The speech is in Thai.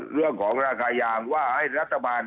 เรื่องของราคายางว่าให้รัฐบาล